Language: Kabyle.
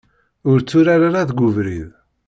Ur tturar ara deg ubrid.